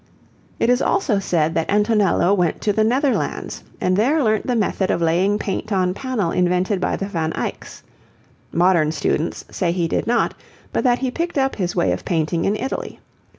It is also said that Antonello went to the Netherlands and there learnt the method of laying paint on panel invented by the Van Eycks. Modern students say he did not, but that he picked up his way of painting in Italy.